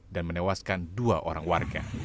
dan menewaskan dua orang warga